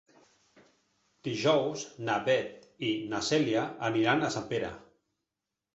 Dijous na Beth i na Cèlia aniran a Sempere.